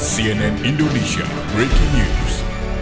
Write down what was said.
cnn indonesia breaking news